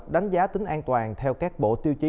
đánh giá tính an toàn theo các bộ tiêu chí